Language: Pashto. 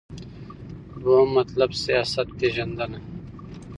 دوهم مطلب : سیاست پیژندنه